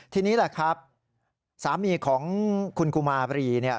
ทีนี้แหละครับสามีของคุณกุมาบรีเนี่ย